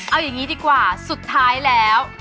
เอาอย่างนี้ดีกว่าสุดท้ายแล้ว